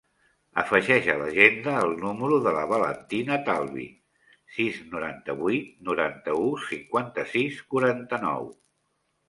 Afegeix a l'agenda el número de la Valentina Talbi: sis, noranta-vuit, noranta-u, cinquanta-sis, quaranta-nou.